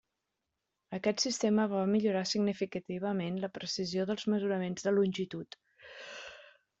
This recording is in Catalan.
Aquest sistema va millorar significativament la precisió dels mesuraments de longitud.